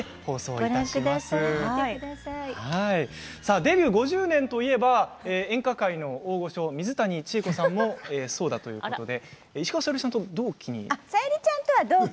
デビュー５０年といえば演歌界の大御所水谷千重子さんもそうだということで石川さゆりさんと同期？